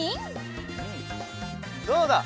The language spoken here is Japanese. どうだ？